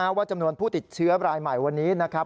ว่าจำนวนผู้ติดเชื้อรายใหม่วันนี้นะครับ